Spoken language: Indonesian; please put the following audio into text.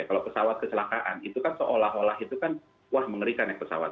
kalau pesawat kecelakaan itu kan seolah olah itu kan wah mengerikan ya pesawat